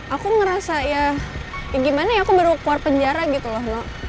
aku ngerasa ya gimana ya aku baru keluar penjara gitu loh